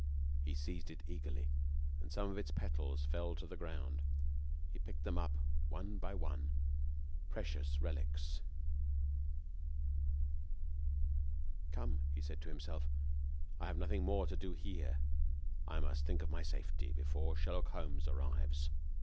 He seized it eagerly. Some of its petals fell to the ground. He picked them up, one by one, like precious relics. "Come!" he said to himself, "I have nothing more to do here. I must think of my safety, before Sherlock Holmes arrives."